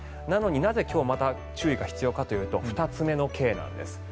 なのに、なぜ今日また注意が必要かというと２つ目のＫなんです。